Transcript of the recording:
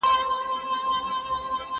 بيزو ناسته وه خاوند ته يې كتله